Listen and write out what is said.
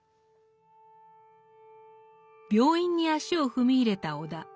病院に足を踏み入れた尾田。